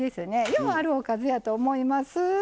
ようある、おかずやと思います。